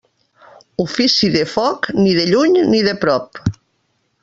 Ofici de foc, ni de lluny ni de prop.